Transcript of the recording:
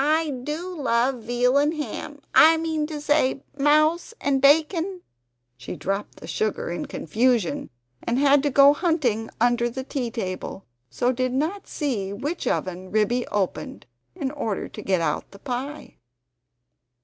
I do love veal and ham I mean to say mouse and bacon " She dropped the sugar in confusion, and had to go hunting under the tea table, so did not see which oven Ribby opened in order to get out the pie.